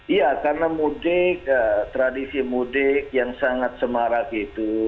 iya karena mudik tradisi mudik yang sangat semarah gitu